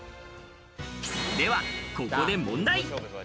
ではここで問題。